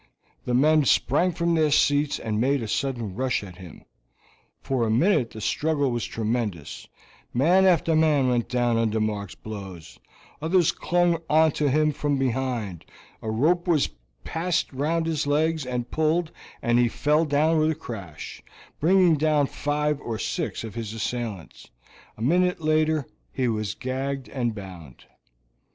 the men sprang from their seats and made a sudden rush at him. For a minute the struggle was tremendous; man after man went down under Mark's blows, others clung onto him from behind, a rope was passed round his legs and pulled, and he fell down with a crash, bringing down five or six of his assailants; a minute later he was gagged and bound.